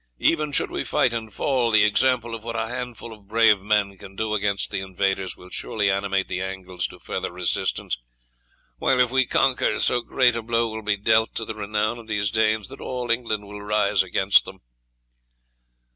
Even should we fight and fall, the example of what a handful of brave men can do against the invaders will surely animate the Angles to further resistance; while if we conquer, so great a blow will be dealt to the renown of these Danes that all England will rise against them."